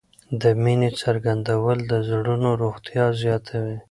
د مینې څرګندول د زړونو روغتیا زیاتوي.